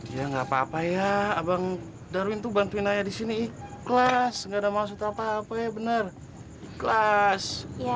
ya nggak apa apa ya abang darwin tuh bantuin ayah di sini ikhlas gak ada maksud apa apa ya benar ikhlas